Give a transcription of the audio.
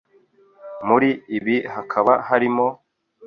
muri ibi hakaba harimo